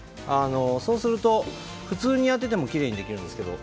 そうすると普通にやっていてもきれいにできるんです。